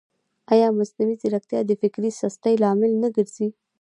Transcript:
ایا مصنوعي ځیرکتیا د فکري سستۍ لامل نه ګرځي؟